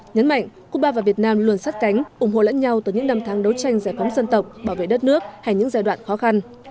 nhấn mạnh cuba và việt nam luôn sát cánh ủng hộ lẫn nhau từ những năm tháng đấu tranh giải phóng dân tộc bảo vệ đất nước hay những giai đoạn khó khăn